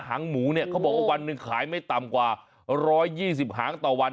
หางหมูเนี่ยเขาบอกว่าวันหนึ่งขายไม่ต่ำกว่า๑๒๐หางต่อวัน